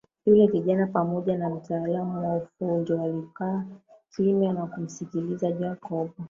Yule kijana pamoja na mtaalamu wa ufundi walikaa kimya na kumsikiliza Jacob